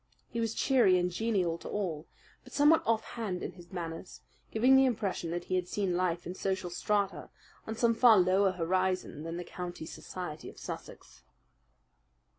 He was cheery and genial to all, but somewhat offhand in his manners, giving the impression that he had seen life in social strata on some far lower horizon than the county society of Sussex.